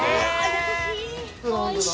◆優しい！